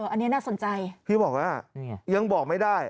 อันนี้น่าสนใจพี่บอกว่ายังบอกไม่ได้